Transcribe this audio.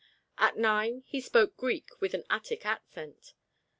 At nine he spoke Greek with an Attic accent.